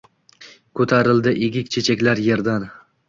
Koʻtarildi egik chechaklar yerdan